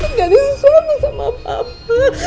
gak bisa di suami sama papa